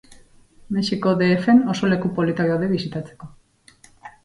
Mexiko de efen oso leku politak daude bisitatzeko.